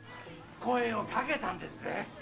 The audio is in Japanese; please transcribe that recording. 声をかけたんですぜ！